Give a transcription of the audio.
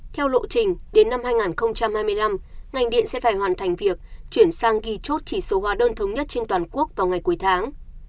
theo lộ trình đến năm hai nghìn hai mươi năm ngành điện sẽ phải hoàn thành việc chuyển sang ghi chốt chỉ số hóa đơn thống nhất trên toàn quốc vào ngày cuối tháng